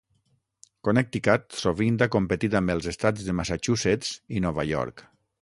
Connecticut sovint ha competit amb els estats de Massachusetts i Nova York.